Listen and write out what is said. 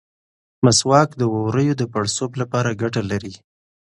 مسواک د ووریو د پړسوب لپاره ګټه لري.